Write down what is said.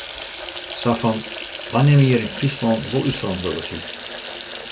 Sa fan: wy nimme hjir yn Fryslân wol ús ferantwurdlikheid.